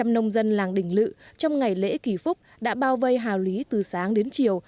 hai trăm linh nông dân làng đình lự trong ngày lễ kỷ phúc đã bao vây hào lý từ sáng đến chiều